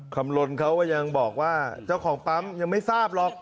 คำลนเขาก็ยังบอกว่าเจ้าของปั๊มยังไม่ทราบหรอก